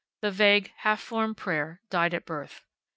The vague, half formed prayer died at birth.